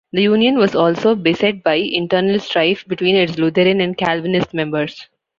The Union was also beset by internal strife between its Lutheran and Calvinist members.